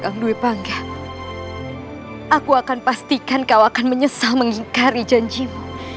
kakak angdui pangga aku akan pastikan kau akan menyesal mengingkari janjimu